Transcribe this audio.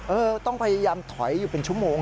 เออต้องพยายามถอยอยู่เป็นชั่วโมง